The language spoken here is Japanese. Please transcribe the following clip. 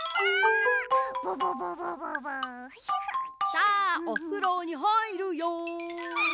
さあおふろにはいるよ。